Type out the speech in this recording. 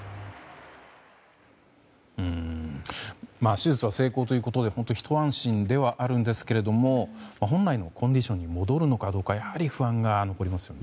手術は成功ということで本当にひと安心ではあるんですけれども本来のコンディションに戻るのかどうかやはり不安が残りますよね。